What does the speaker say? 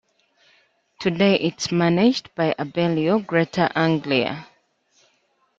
Today it is managed by Abellio Greater Anglia.